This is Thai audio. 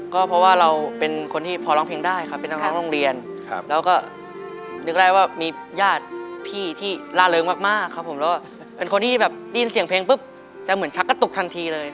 ก็เพราะว่าเราเป็นคนที่พอร้องเพลงได้ครับเป็นนักร้องโรงเรียนแล้วก็นึกได้ว่ามีญาติพี่ที่ล่าเริงมากครับผมแล้วเป็นคนที่แบบได้ยินเสียงเพลงปุ๊บจะเหมือนชักกระตุกทันทีเลย